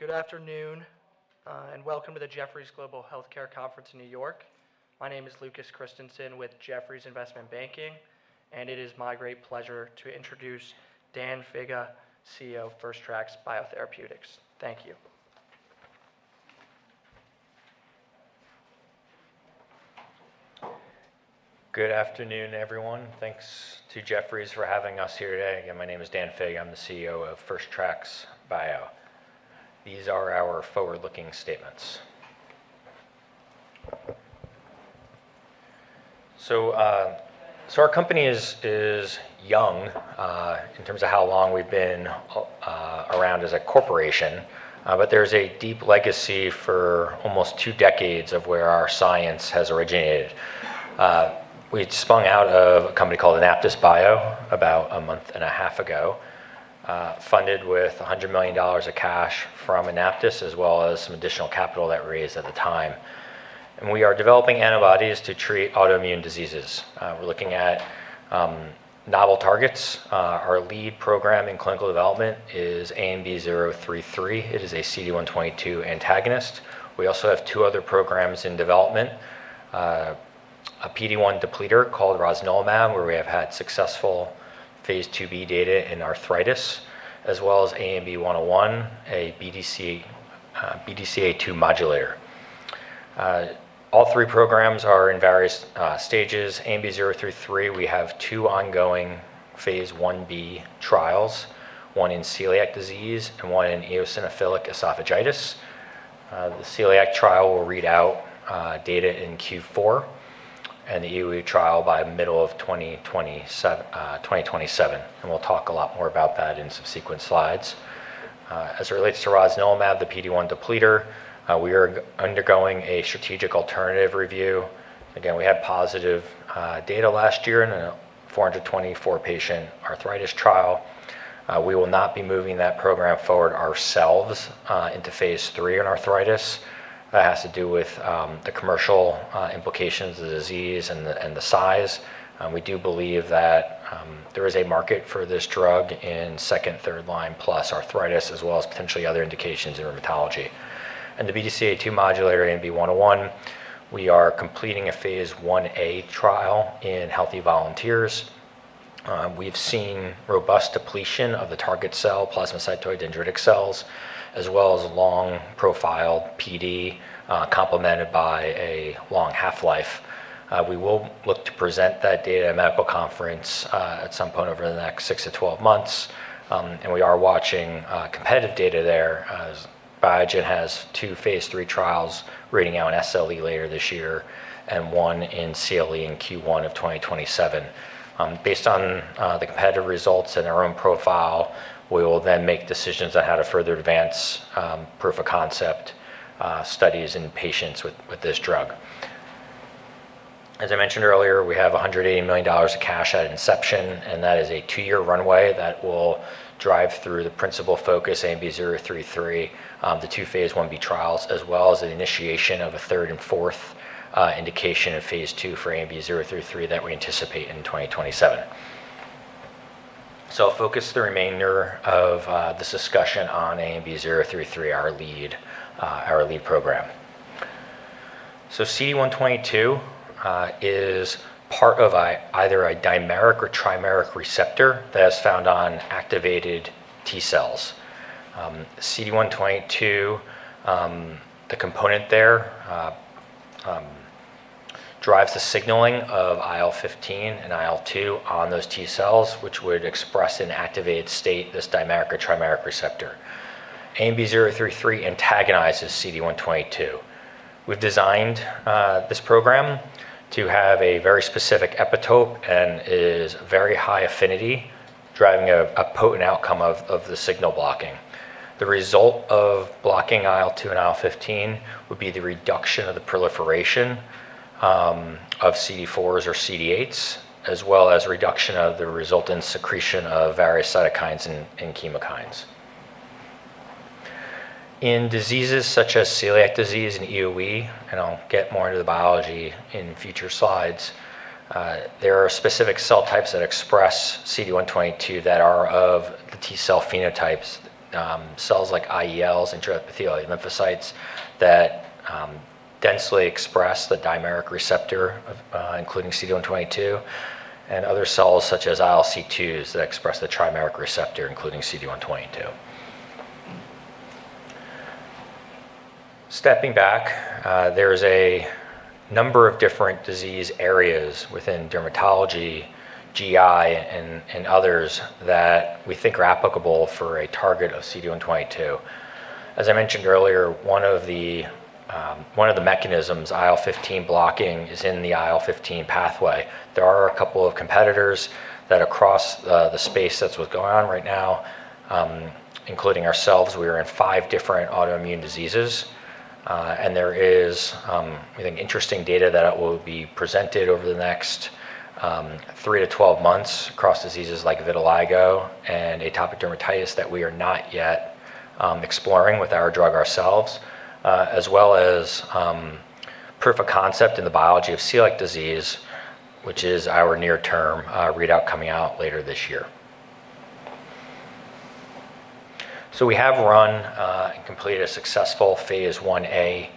Good afternoon, and welcome to the Jefferies Global Healthcare Conference in New York. My name is Lucas Christensen with Jefferies Investment Banking, and it is my great pleasure to introduce Dan Faga, CEO of First Tracks Biotherapeutics. Thank you. Good afternoon, everyone. Thanks to Jefferies for having us here today. Again, my name is Dan Faga, I'm the CEO of First Tracks Bio. These are our forward-looking statements. Our company is young in terms of how long we've been around as a corporation, but there's a deep legacy for almost two decades of where our science has originated. We'd sprung out of a company called AnaptysBio about a month and a half ago, funded with $100 million of cash from Anaptys, as well as some additional capital that raised at the time. We are developing antibodies to treat autoimmune diseases. We're looking at novel targets. Our lead program in clinical development is ANB033. It is a CD122 antagonist. We also have two other programs in development, a PD-1 depleter called rosnilimab, where we have had successful phase II-B data in arthritis, as well as ANB101, a BDCA2 modulator. All three programs are in various stages. ANB033, we have two ongoing phase I-B trials, one in celiac disease and one in eosinophilic esophagitis. The celiac trial will read out data in Q4, and the EoE trial by middle of 2027, and we'll talk a lot more about that in subsequent slides. As it relates to rosnilimab, the PD-1 depleter, we are undergoing a strategic alternative review. Again, we had positive data last year in a 424-patient arthritis trial. We will not be moving that program forward ourselves into phase III in arthritis. That has to do with the commercial implications of the disease and the size. We do believe that there is a market for this drug in second, third-line plus arthritis, as well as potentially other indications in dermatology. The BDCA2 modulator ANB101, we are completing a phase I-A trial in healthy volunteers. We've seen robust depletion of the target cell plasmacytoid dendritic cells, as well as long profile PD, complemented by a long half-life. We will look to present that data at medical conference at some point over the next 6-12 months. We are watching competitive data there as Biogen has two phase III trials reading out in SLE later this year and one in CLE in Q1 2027. Based on the competitive results and our own profile, we will then make decisions on how to further advance proof of concept studies in patients with this drug. As I mentioned earlier, we have $180 million of cash at inception, that is a two-year runway that will drive through the principal focus ANB033, the two phase I-B trials, as well as the initiation of a third and fourth indication of phase II for ANB033 that we anticipate in 2027. I'll focus the remainder of this discussion on ANB033, our lead program. CD122 is part of either a dimeric or trimeric receptor that is found on activated T cells. CD122, the component there, drives the signaling of IL-15 and IL-2 on those T cells, which would express an activated state, this dimeric or trimeric receptor. ANB033 antagonizes CD122. We've designed this program to have a very specific epitope and is very high affinity, driving a potent outcome of the signal blocking. The result of blocking IL-2 and IL-15 would be the reduction of the proliferation of CD4s or CD8s, as well as reduction of the resultant secretion of various cytokines and chemokines. In diseases such as celiac disease and EoE, and I'll get more into the biology in future slides, there are specific cell types that express CD122 that are of the T cell phenotypes, cells like IELs, intraepithelial lymphocytes, that densely express the dimeric receptor, including CD122, and other cells such as ILC2s that express the trimeric receptor, including CD122. Stepping back, there is a number of different disease areas within dermatology, GI, and others that we think are applicable for a target of CD122. As I mentioned earlier, one of the mechanisms, IL-15 blocking, is in the IL-15 pathway. There are a couple of competitors that across the space that's what's going on right now, including ourselves. We are in five different autoimmune diseases. There is I think interesting data that will be presented over the next 3-12 months across diseases like vitiligo and atopic dermatitis that we are not yet exploring with our drug ourselves. As well as proof of concept in the biology of celiac disease, which is our near-term readout coming out later this year. We have run and completed a successful phase I-A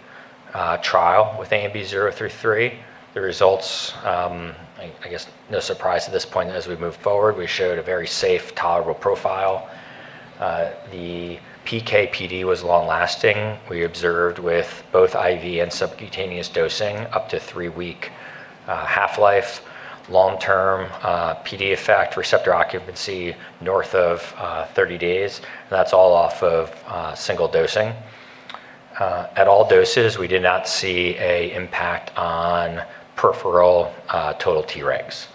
trial with ANB033. The results, I guess no surprise at this point, as we moved forward, we showed a very safe, tolerable profile. The PK/PD was long-lasting. We observed with both IV and subcutaneous dosing up to three-week half-life, long-term PD effect, receptor occupancy north of 30 days. That's all off of single dosing. At all doses, we did not see an impact on peripheral total Tregs.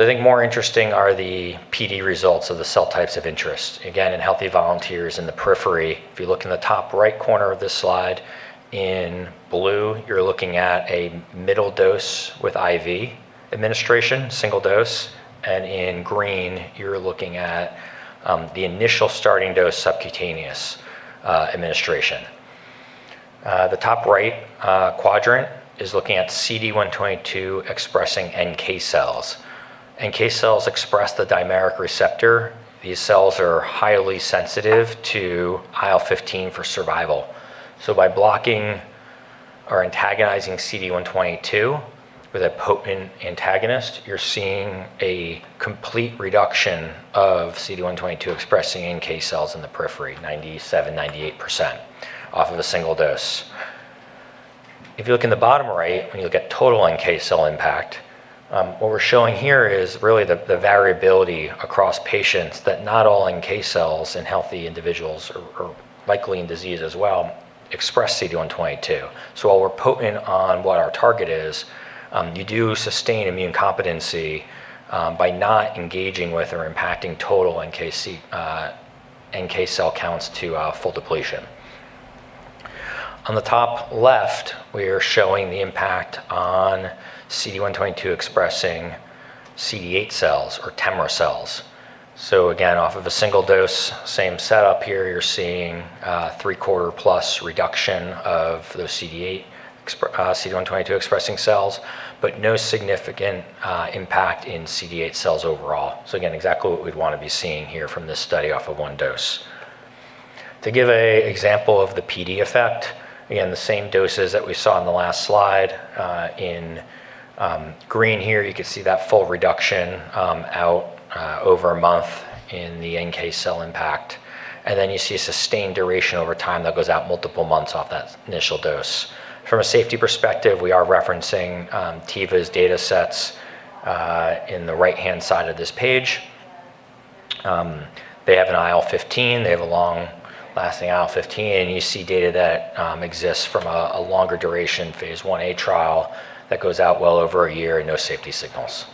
I think more interesting are the PD results of the cell types of interest. Again, in healthy volunteers in the periphery, if you look in the top right corner of this slide, in blue, you're looking at a middle dose with IV administration, single dose, and in green, you're looking at the initial starting dose subcutaneous administration. The top right quadrant is looking at CD122 expressing NK cells. NK cells express the dimeric receptor. These cells are highly sensitive to IL-15 for survival. By blocking or antagonizing CD122 with a potent antagonist, you're seeing a complete reduction of CD122 expressing NK cells in the periphery, 97%, 98% off of a single dose. If you look in the bottom right, when you look at total NK cell impact, what we're showing here is really the variability across patients that not all NK cells in healthy individuals or likely in disease as well express CD122. While we're potent on what our target is, you do sustain immune competency by not engaging with or impacting total NK cell counts to full depletion. On the top left, we are showing the impact on CD122 expressing CD8 cells or TEMRA cells. Again, off of a single dose, same setup here. You're seeing three-quarter plus reduction of those CD122 expressing cells, but no significant impact in CD8 cells overall. Again, exactly what we'd want to be seeing here from this study off of one dose. To give an example of the PD effect, again, the same doses that we saw in the last slide. In green here, you can see that full reduction out over a month in the NK cell impact, and then you see a sustained duration over time that goes out multiple months off that initial dose. From a safety perspective, we are referencing Teva's data sets in the right-hand side of this page. They have an IL-15. They have a long-lasting IL-15, and you see data that exists from a longer duration phase I-A trial that goes out well over a year and no safety signals.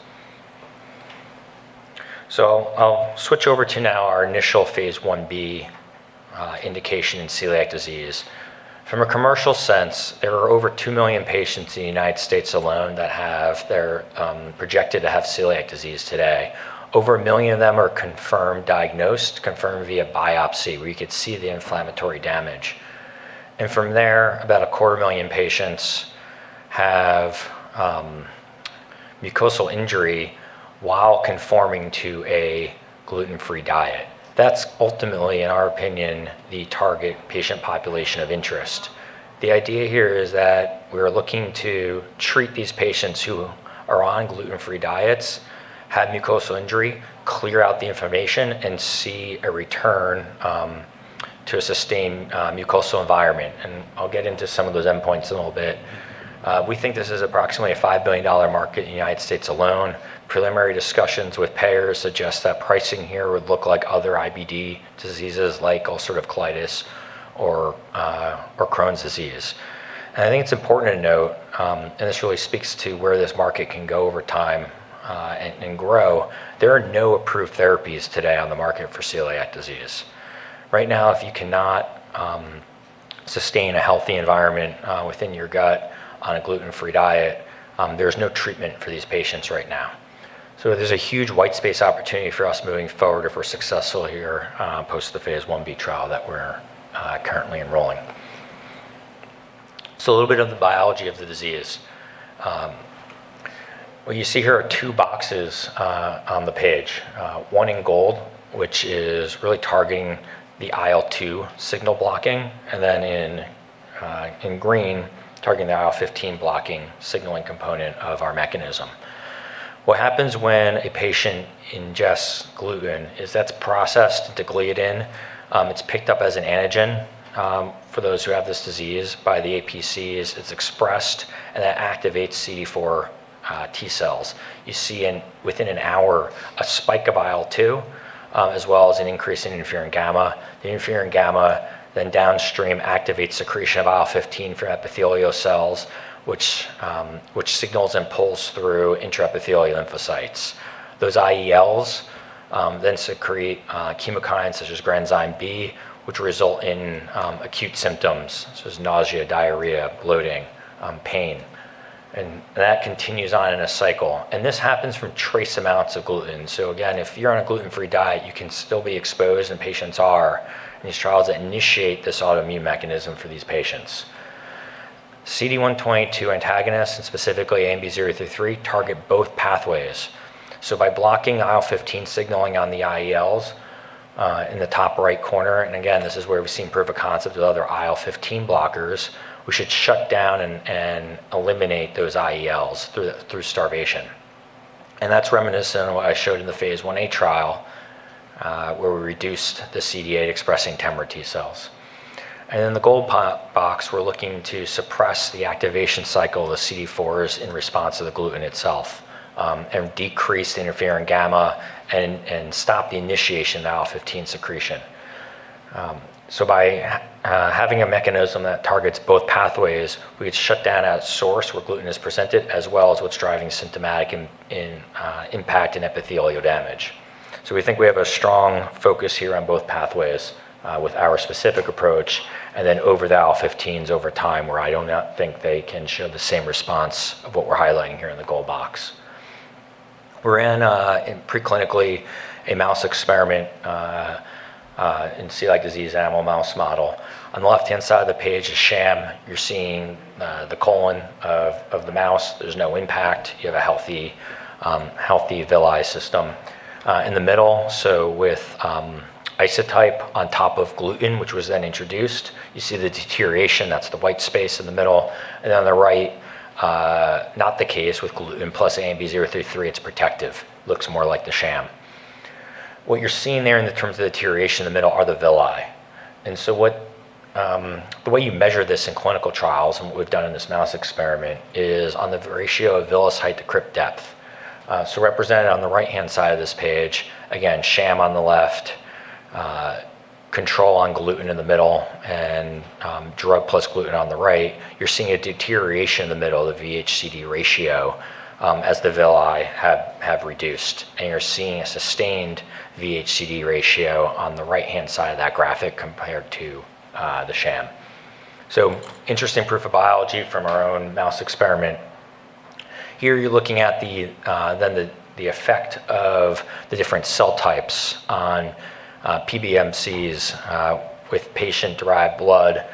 I'll switch over to now our initial phase I-B indication in celiac disease. From a commercial sense, there are over 2 million patients in the U.S. alone that are projected to have celiac disease today. Over 1 million of them are confirmed diagnosed, confirmed via biopsy, where you could see the inflammatory damage. From there, about a quarter million patients have mucosal injury while conforming to a gluten-free diet. That's ultimately, in our opinion, the target patient population of interest. The idea here is that we are looking to treat these patients who are on gluten-free diets, have mucosal injury, clear out the inflammation, and see a return to a sustained mucosal environment, and I'll get into some of those endpoints in a little bit. We think this is approximately a $5 billion market in the U.S. alone. Preliminary discussions with payers suggest that pricing here would look like other IBD diseases like ulcerative colitis or Crohn's disease. I think it's important to note, and this really speaks to where this market can go over time and grow, there are no approved therapies today on the market for celiac disease. Right now, if you cannot sustain a healthy environment within your gut on a gluten-free diet, there's no treatment for these patients right now. There's a huge white space opportunity for us moving forward if we're successful here post the phase I-B trial that we're currently enrolling. A little bit of the biology of the disease. What you see here are two boxes on the page, one in gold, which is really targeting the IL-2 signal blocking, and then in green, targeting the IL-15 blocking signaling component of our mechanism. What happens when a patient ingests gluten is that's processed to gliadin. It's picked up as an antigen for those who have this disease by the APCs. It's expressed, and that activates CD4 T cells. You see within an hour a spike of IL-2 as well as an increase in interferon gamma. The interferon gamma then downstream activates secretion of IL-15 for epithelial cells, which signals and pulls through intraepithelial lymphocytes. Those IELs then secrete chemokines such as granzyme B, which result in acute symptoms, such as nausea, diarrhea, bloating, pain. That continues on in a cycle. This happens from trace amounts of gluten. Again, if you're on a gluten-free diet, you can still be exposed, and patients are, in these trials that initiate this autoimmune mechanism for these patients. CD122 antagonists, and specifically ANB033, target both pathways. By blocking IL-15 signaling on the IELs in the top right corner, and again, this is where we've seen proof of concept of other IL-15 blockers, we should shut down and eliminate those IELs through starvation. That's reminiscent of what I showed in the phase I-A trial, where we reduced the CD8-expressing TEMRA T cells. In the gold box, we're looking to suppress the activation cycle of the CD4s in response to the gluten itself, decrease the interferon gamma and stop the initiation of the IL-15 secretion. By having a mechanism that targets both pathways, we could shut down at source where gluten is presented, as well as what's driving symptomatic impact and epithelial damage. We think we have a strong focus here on both pathways with our specific approach, then over the IL-15s over time, where I don't think they can show the same response of what we're highlighting here in the gold box. We're in, pre-clinically, a mouse experiment in celiac disease animal mouse model. On the left-hand side of the page is sham. You're seeing the colon of the mouse. There's no impact. You have a healthy villi system. In the middle, with isotype on top of gluten, which was then introduced, you see the deterioration. That's the white space in the middle. On the right, not the case with gluten plus ANB033. It's protective. Looks more like the sham. What you're seeing there in terms of deterioration in the middle are the villi. The way you measure this in clinical trials, and what we've done in this mouse experiment, is on the ratio of villus height to crypt depth. Represented on the right-hand side of this page, again, sham on the left, control on gluten in the middle, and drug plus gluten on the right. You're seeing a deterioration in the middle of the Vh:Cd ratio as the villi have reduced. You're seeing a sustained Vh:Cd ratio on the right-hand side of that graphic compared to the sham. Interesting proof of biology from our own mouse experiment. Here, you're looking at the effect of the different cell types on PBMCs with patient-derived blood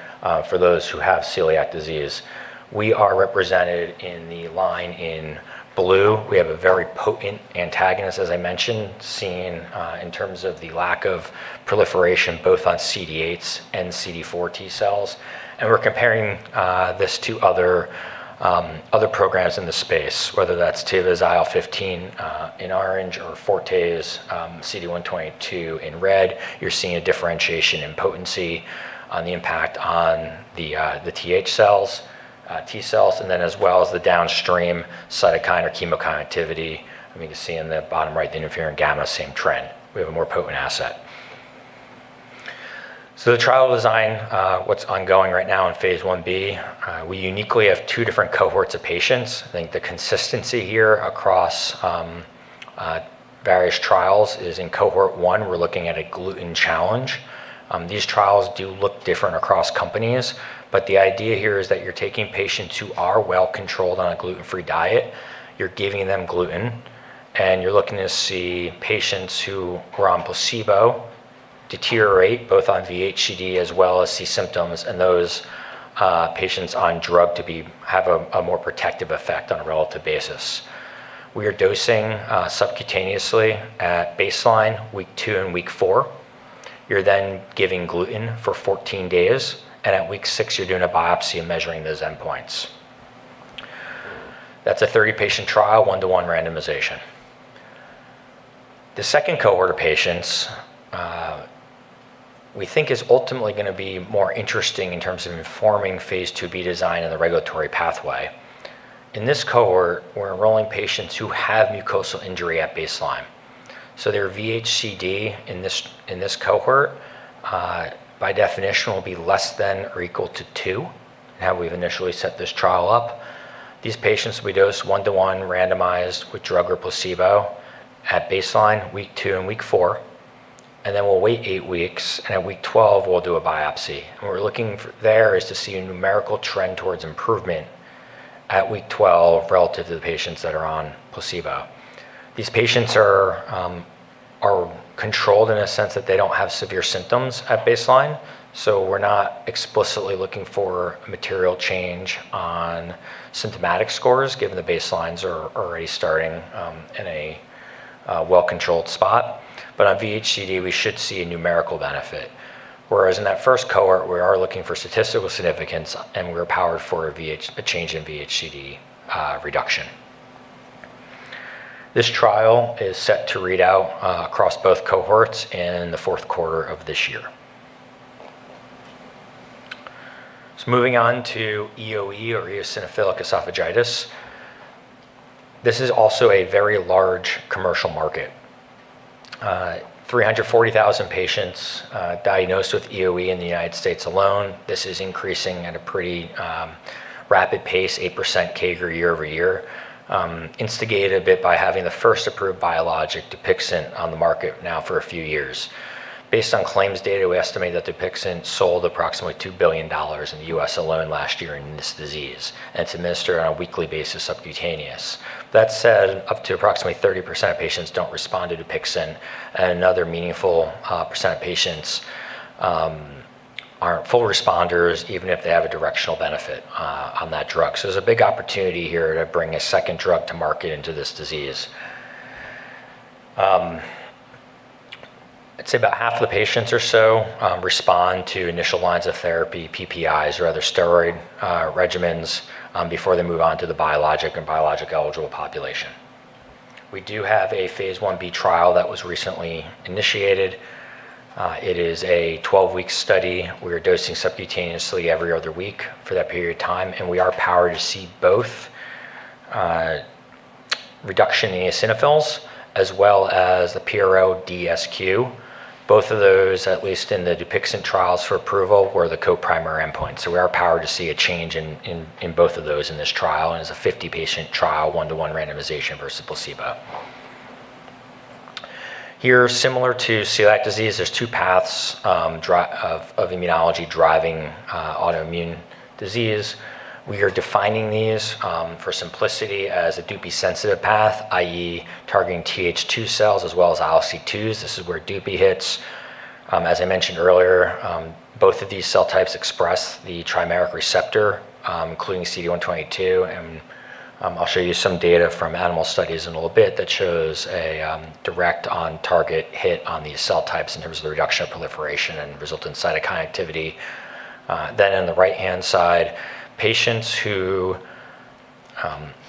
for those who have celiac disease. We are represented in the line in blue. We have a very potent antagonist, as I mentioned, seen in terms of the lack of proliferation, both on CD8s and CD4 T cells. We're comparing this to other programs in the space, whether that's Teva's IL-15 in orange or Forte's CD122 in red. You're seeing a differentiation in potency on the impact on the Th cells, T cells, and as well as the downstream cytokine or chemokine activity. I mean, you can see in the bottom right the interferon gamma, same trend. We have a more potent asset. The trial design, what's ongoing right now in phase I-B, we uniquely have two different cohorts of patients. I think the consistency here across various trials is in cohort 1, we're looking at a gluten challenge. These trials do look different across companies, but the idea here is that you're taking patients who are well-controlled on a gluten-free diet, you're giving them gluten, and you're looking to see patients who were on placebo deteriorate, both on Vh:Cd as well as C symptoms, and those patients on drug to have a more protective effect on a relative basis. We are dosing subcutaneously at baseline, week two, and week four. You're giving gluten for 14 days, and at week six, you're doing a biopsy and measuring those endpoints. That's a 30-patient trial, one-to-one randomization. The second cohort of patients we think is ultimately going to be more interesting in terms of informing phase II-B design and the regulatory pathway. In this cohort, we're enrolling patients who have mucosal injury at baseline. Their Vh:Cd in this cohort, by definition, will be less than or equal to two, how we've initially set this trial up. These patients will be dosed one-to-one randomized with drug or placebo at baseline, week two, and week four. We'll wait eight weeks, and at week 12, we'll do a biopsy. What we're looking there is to see a numerical trend towards improvement at week 12 relative to the patients that are on placebo. These patients are controlled in a sense that they don't have severe symptoms at baseline. We're not explicitly looking for a material change on symptomatic scores given the baselines are already starting in a well-controlled spot. On Vh:Cd, we should see a numerical benefit. Whereas in that first cohort, we are looking for statistical significance, and we're powered for a change in Vh:Cd reduction. This trial is set to read out across both cohorts in the fourth quarter of this year. Moving on to EoE, or eosinophilic esophagitis. This is also a very large commercial market. 340,000 patients diagnosed with EoE in the United States alone. This is increasing at a pretty rapid pace, 8% CAGR, year-over-year, instigated a bit by having the first approved biologic, DUPIXENT, on the market now for a few years. Based on claims data, we estimate that DUPIXENT sold approximately $2 billion in the U.S. alone last year in this disease. It's administered on a weekly basis subcutaneous. That said, up to approximately 30% of patients don't respond to DUPIXENT, and another meaningful percent of patients aren't full responders, even if they have a directional benefit on that drug. There's a big opportunity here to bring a second drug to market into this disease. I'd say about half the patients or so respond to initial lines of therapy, PPIs or other steroid regimens, before they move on to the biologic and biologic-eligible population. We do have a phase I-B trial that was recently initiated. It is a 12-week study. We are dosing subcutaneously every other week for that period of time, and we are powered to see both reduction in eosinophils as well as the PRO DSQ. Both of those, at least in the DUPIXENT trials for approval, were the co-primary endpoint. We are powered to see a change in both of those in this trial, and it's a 50-patient trial, one-to-one randomization versus placebo. Here, similar to celiac disease, there's two paths of immunology driving autoimmune disease. We are defining these for simplicity as a dupi-sensitive path, i.e., targeting TH2 cells as well as ILC2s. This is where dupi hits. As I mentioned earlier, both of these cell types express the trimeric receptor, including CD122, and I'll show you some data from animal studies in a little bit that shows a direct on-target hit on these cell types in terms of the reduction of proliferation and resultant cytokine activity. On the right-hand side, patients who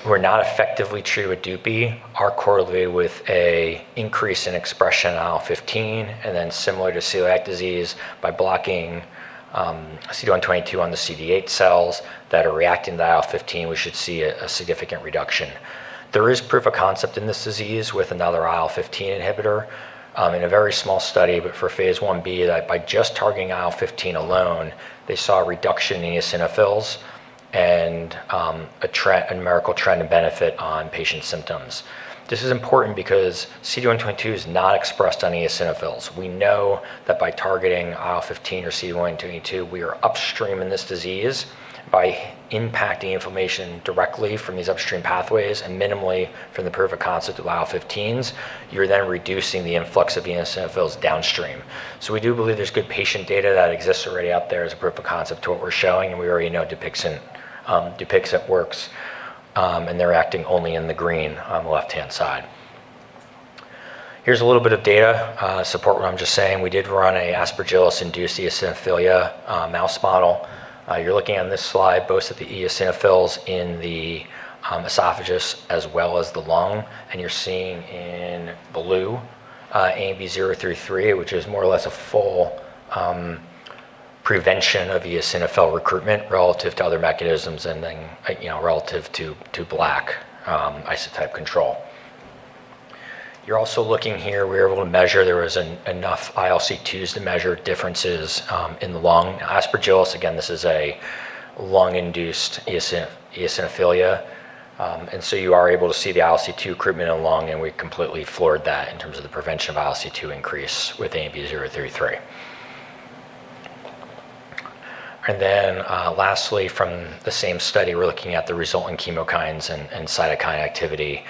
were not effectively treated with dupi are correlated with an increase in expression in IL-15, similar to celiac disease by blocking CD122 on the CD8 cells that are reacting to the IL-15, we should see a significant reduction. There is proof of concept in this disease with another IL-15 inhibitor in a very small study, for phase I-B, by just targeting IL-15 alone, they saw a reduction in eosinophils and a numerical trend and benefit on patients' symptoms. This is important because CD122 is not expressed on eosinophils. We know that by targeting IL-15 or CD122, we are upstream in this disease by impacting inflammation directly from these upstream pathways and minimally from the proof of concept of IL-15s. You're reducing the influx of the eosinophils downstream. We do believe there's good patient data that exists already out there as a proof of concept to what we're showing, and we already know DUPIXENT works, and they're acting only in the green on the left-hand side. Here's a little bit of data to support what I'm just saying. We did run an Aspergillus-induced eosinophilia mouse model. You're looking on this slide both at the eosinophils in the esophagus as well as the lung, and you're seeing in blue ANB033, which is more or less a full prevention of eosinophil recruitment relative to other mechanisms and then relative to black isotype control. You're also looking here, we were able to measure there was enough ILC2s to measure differences in the lung. Aspergillus, again, this is a lung-induced eosinophilia. You are able to see the ILC2 recruitment in lung. We completely floored that in terms of the prevention of ILC2 increase with ANB033. Lastly, from the same study, we're looking at the resultant chemokines and cytokine activity.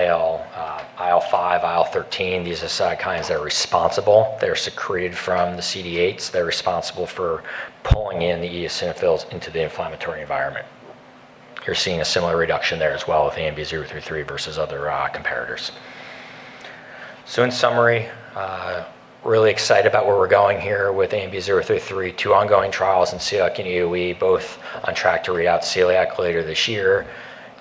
IL-5, IL-13, these are cytokines that are responsible. They're secreted from the CD8s. They're responsible for pulling in the eosinophils into the inflammatory environment. You're seeing a similar reduction there as well with ANB033 versus other comparators. In summary, really excited about where we're going here with ANB033. Two ongoing trials in celiac and EoE, both on track to read out celiac later this year,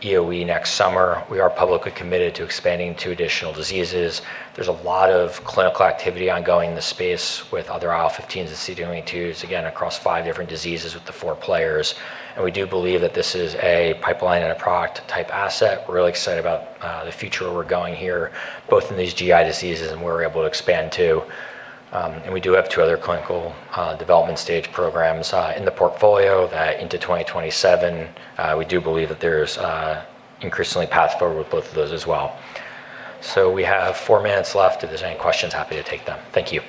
EoE next summer. We are publicly committed to expanding two additional diseases. There's a lot of clinical activity ongoing in the space with other IL-15s and CD122s, again, across five different diseases with the four players. We do believe that this is a pipeline and a product-type asset. We're really excited about the future where we're going here, both in these GI diseases and where we're able to expand to. We do have two other clinical development stage programs in the portfolio into 2027. We do believe that there's increasingly path forward with both of those as well. We have four minutes left. If there's any questions, happy to take them. Thank you.